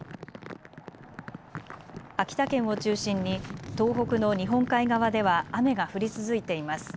秋田県を中心に東北の日本海側では雨が降り続いています。